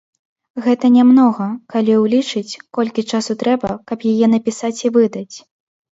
Гэта нямнога, калі ўлічыць, колькі часу трэба, каб яе напісаць і выдаць!